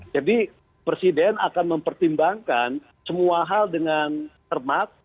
jadi presiden akan mempertimbangkan semua hal dengan cermat